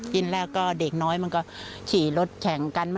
กินเหล้าก็เด็กน้อยขี่รถแต่งกัน